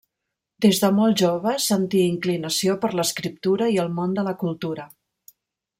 Des de molt jove sentí inclinació per l'escriptura i el món de la cultura.